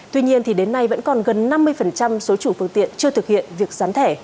tuy nhiên đến nay vẫn còn gần năm mươi số chủ phương tiện chưa thực hiện việc sán thẻ